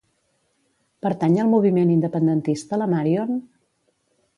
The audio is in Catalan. Pertany al moviment independentista la Marion?